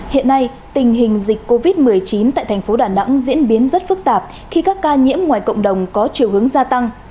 hiện nay tình hình dịch covid một mươi chín tại thành phố đà nẵng diễn biến rất phức tạp khi các ca nhiễm ngoài cộng đồng có chiều hướng gia tăng